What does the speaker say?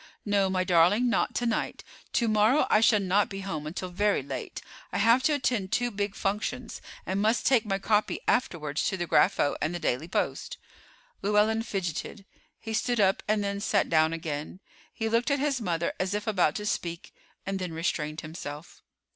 "No, my darling, not to night. To morrow I shall not be home until very late. I have to attend two big functions, and must take my copy afterwards to the Grapho and the Daily Post." Llewellyn fidgeted; he stood up and then sat down again. He looked at his mother as if about to speak, and then restrained himself.